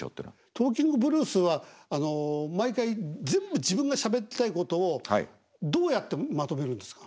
「トーキングブルース」は毎回全部自分がしゃべりたいことをどうやってまとめるんですか？